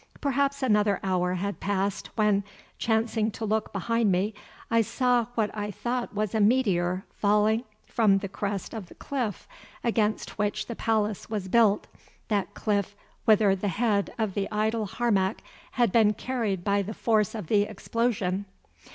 Perhaps another hour had passed when, chancing to look behind me, I saw what I thought was a meteor falling from the crest of the cliff against which the palace was built, that cliff whither the head of the idol Harmac had been carried by the force of the explosion.